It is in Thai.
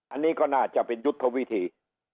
อันนี้ก็น่าจะเป็นยุทธวิธี